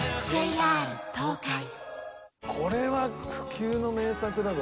これは不朽の名作だぞ。